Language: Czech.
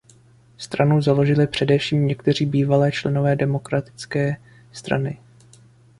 Stranu založili především někteří bývalí členové Demokratické strany.